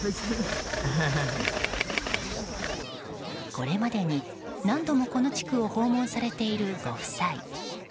これまでに何度もこの地区を訪問されているご夫妻。